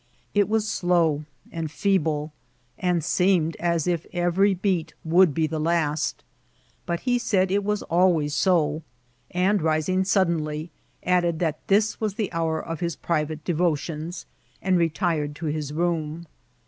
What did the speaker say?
It was slow and feeble, and seemed as if every beat would be the last ; but he said it was always so ; and, rising suddenly, added that this was the hour of his private devotions, and retired to his room.